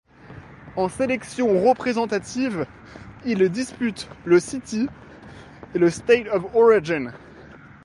En sélection représentative, il dispute le City et le State of Origin.